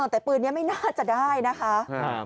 แต่ปืนนี้ไม่น่าจะได้นะคะ